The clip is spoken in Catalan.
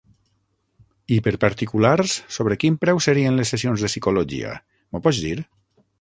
I per particulars sobre quin preu serien les sessions de psicologia, m'ho pots dir?